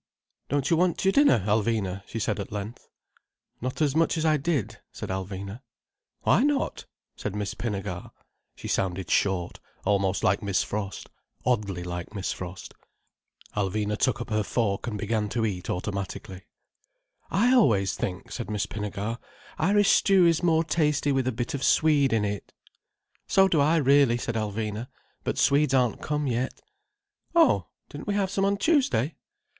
"Don't you want your dinner, Alvina?" she said at length. "Not as much as I did," said Alvina. "Why not?" said Miss Pinnegar. She sounded short, almost like Miss Frost. Oddly like Miss Frost. Alvina took up her fork and began to eat automatically. "I always think," said Miss Pinnegar, "Irish stew is more tasty with a bit of Swede in it." "So do I, really," said Alvina. "But Swedes aren't come yet." "Oh! Didn't we have some on Tuesday?"